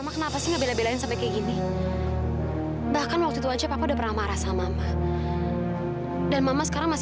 kenapa kamu tidak menangis